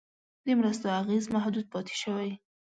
د مرستو اغېز محدود پاتې شوی.